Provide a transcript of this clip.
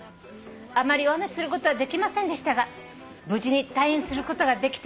「あまりお話しすることはできませんでしたが無事に退院することができてよかったです」